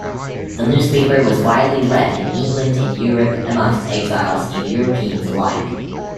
The newspaper was widely read in England and Europe amongst exiles and Europeans alike.